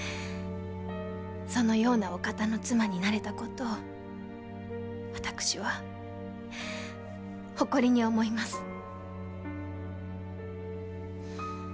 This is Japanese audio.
そのようなお方の妻になれたことを私は誇りに思います。